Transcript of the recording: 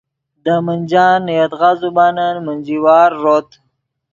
دے منجان نے یدغا زبانن منجی وار ݱوت